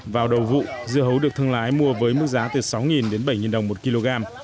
vào đầu vụ dưa hấu được thương lái mua với mức giá từ sáu đến bảy đồng một kg